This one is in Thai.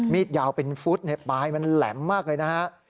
ยาวเป็นฟุตปลายมันแหลมมากเลยนะฮะ